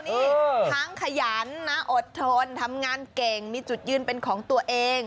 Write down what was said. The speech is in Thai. นี่ทั้งขยันนะอดทนทำงานเก่งมีจุดยืนเป็นของตัวเอง